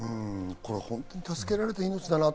これは本当に助けられた命だなって。